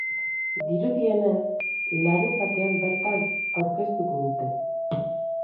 Dirudienez, larunbatean bertan aurkeztuko dute.